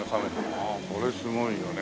ああこれすごいよね。